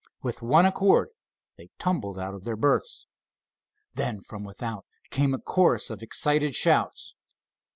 With one accord they tumbled out of their berths. Then from without came a chorus of excited shouts.